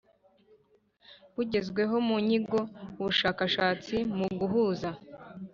bugezweho mu nyigo ubushakashatsi mu guhuza